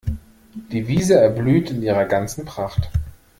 Die Wiese erblüht in ihrer ganzen Pracht.